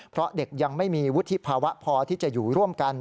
เพราะเด็กยังไม่มีวุฒิภาวะพอที่จะอยู่ร่วมกัน